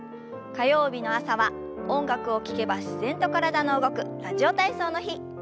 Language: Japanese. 火曜日の朝は音楽を聞けば自然と体の動く「ラジオ体操」の日。